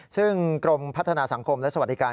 ซึ่งกรมพัฒนาสังคมและสวัสดิการ